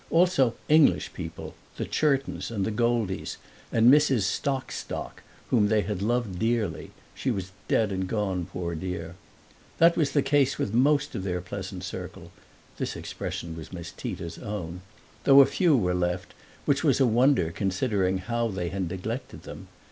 Also English people the Churtons and the Goldies and Mrs. Stock Stock, whom they had loved dearly; she was dead and gone, poor dear. That was the case with most of their pleasant circle (this expression was Miss Tita's own), though a few were left, which was a wonder considering how they had neglected them.